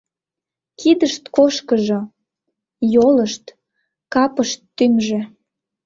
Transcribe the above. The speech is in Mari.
Кидышт кошкыжо, йолышт, капышт тӱҥжӧ.